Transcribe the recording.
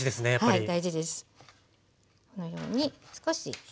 はい。